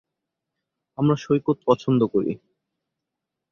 আমরা সৈকত পছন্দ করি।